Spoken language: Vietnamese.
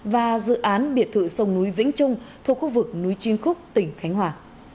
và dự án biệt thự sông núi vĩnh trung thuộc khu vực núi chim khúc tỉnh khánh hòa